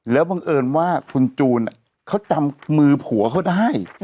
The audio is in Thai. แล้วบังเอิญว่าคุณจูนเขาจำมือผัวเขาได้